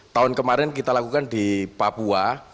tahun kemarin kita lakukan di papua